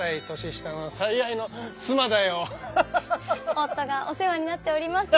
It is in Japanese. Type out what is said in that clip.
夫がお世話になっております。